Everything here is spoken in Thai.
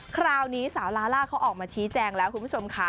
คราวนี้สาวลาล่าเขาออกมาชี้แจงแล้วคุณผู้ชมค่ะ